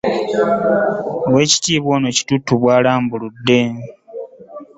Oweekitiibwa Ono Kitutu bw'alambuludde.